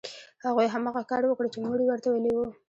هغوی هماغه کار وکړ چې مور یې ورته ویلي وو